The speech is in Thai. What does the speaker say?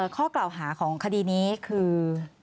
ข้อกล่าวหาของคดีนี้คือ